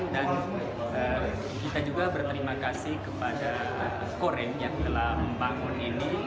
dan kita juga berterima kasih kepada korem yang telah membangun ini